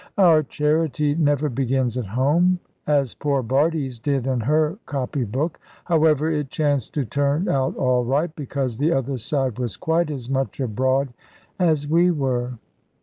Our charity never begins at home; as poor Bardie's did in her copy book. However, it chanced to turn out all right, because the other side was quite as much abroad as we were.